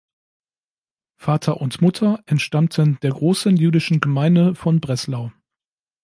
Vater und Mutter entstammten der großen jüdischen Gemeinde von Breslau.